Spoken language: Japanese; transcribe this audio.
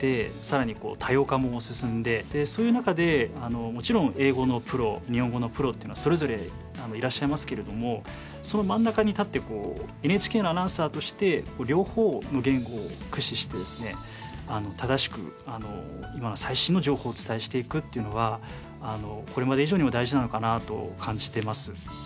そういう中でもちろん英語のプロ日本語のプロっていうのはそれぞれいらっしゃいますけれどもその真ん中に立ってＮＨＫのアナウンサーとして両方の言語を駆使してですね正しく最新の情報をお伝えしていくっていうのはこれまで以上にも大事なのかなと感じてます。